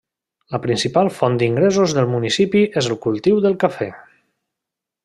La principal font d'ingressos del municipi és el cultiu del cafè.